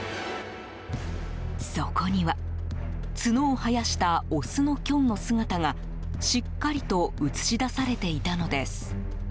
そこには、角を生やしたオスのキョンの姿がしっかりと映し出されていたのです。